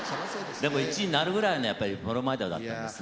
でも１位になるぐらいのやっぱりブロマイドだったんですね。